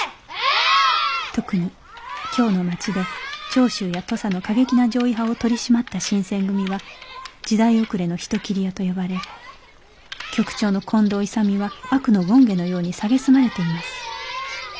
特に京の町で長州や土佐の過激な攘夷派を取り締まった新選組は時代遅れの人斬り屋と呼ばれ局長の近藤勇は悪の権化のようにさげすまれています。